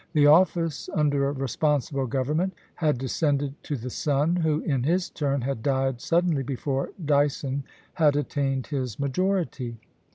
The office under a responsible Government had descended to the son, who, in his turn, had died suddenly before Dyson had attained his majority.